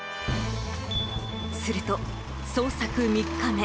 すると、捜索３日目。